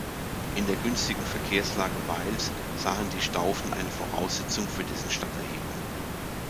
In der günstigen Verkehrslage Weils sahen die Staufen eine Voraussetzung für dessen Stadterhebung.